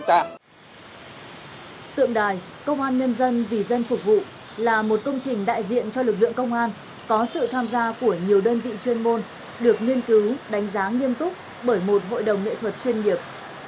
tượng đài công an nhân dân vì dân phục vụ là một công trình đại diện cho lực lượng công an có sự tham gia của nhiều đơn vị chuyên môn được nghiên cứu đánh giá nghiêm túc bởi một hội đồng nghệ thuật chuyên nghiệp